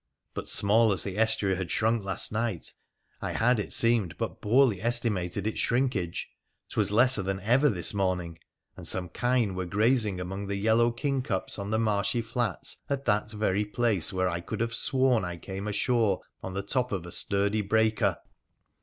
But, small as the estuary had shrunk last night, I had, it seemed, but poorly estimated its shrinkage. 'Twas lesser than ever this morning, and some kine were grazing among the yellow kingcups on the marshy flats at that very place where I could have sworn I came ashore on the top of a sturdy breaker